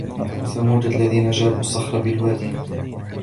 وثمود الذين جابوا الصخر بالواد